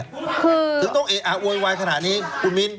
คือถึงต้องเอะอะโวยวายขนาดนี้คุณมิ้น